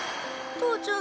父ちゃん！